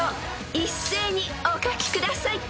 ［一斉にお書きください］